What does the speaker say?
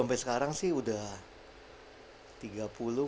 sampai sekarang sih udah